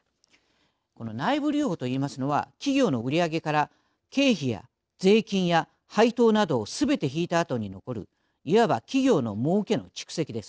この内部留保と言いますのは企業の売り上げから経費や税金や配当などをすべて引いたあとに残るいわば企業のもうけの蓄積です。